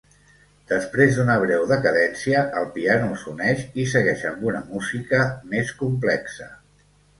Després d'una breu decadència, el piano s'uneix i segueix amb una música més complexa.